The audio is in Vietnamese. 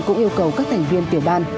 cũng yêu cầu các thành viên tiểu ban